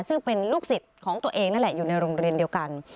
ซึ่งเป็นลูกศิษย์ของตัวเองนั่นแหละอยู่ในโรงเรียนเดียวกัน